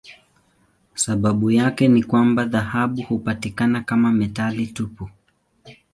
Sababu yake ni kwamba dhahabu hupatikana kama metali tupu.